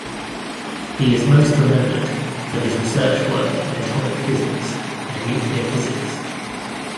He is most remembered for his research work in atomic physics and nuclear physics.